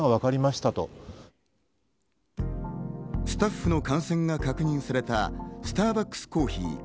スタッフの感染が確認されたスターバックスコーヒー